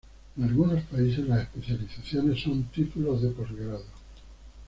En algunos países las Especializaciones son títulos de posgrado.